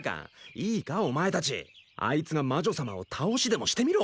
いいかお前たちあいつが魔女様を倒しでもしてみろ。